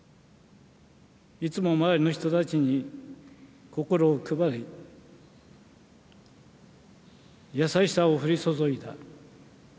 いつも周りの人たちに心を配り、優しさを降り注いだ。